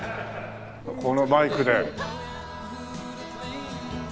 このマイクで。